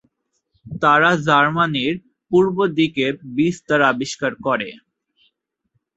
তারা জার্মানীর পূর্বদিকে বিস্তার আবিষ্কার করে।